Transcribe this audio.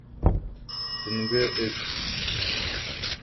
Төнгө өс.